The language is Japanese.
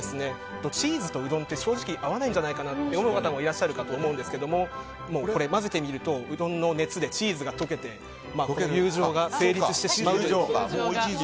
チーズとうどんって正直合わないんじゃないかと思う方もいると思うんですが混ぜてみるとうどんの熱でチーズが溶けて友情が成立してしまうものです。